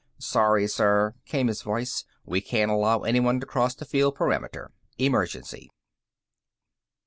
"Sorry, sir," came his voice. "We can't allow anyone to cross the field perimeter. Emergency."